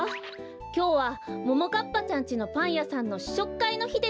きょうはももかっぱちゃんちのパンやさんのししょくかいのひですよ。